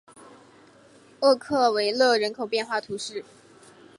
厄克维勒人口变化图示